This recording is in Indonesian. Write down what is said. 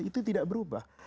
itu tidak berubah